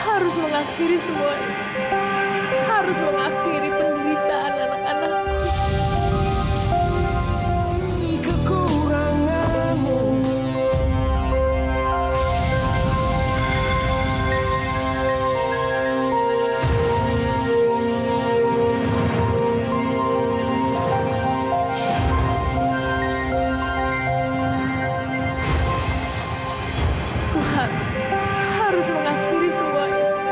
harus mengakhiri semua ini